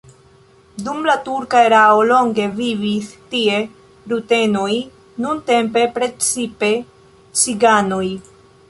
Dum la turka erao longe vivis tie rutenoj, nuntempe precipe ciganoj.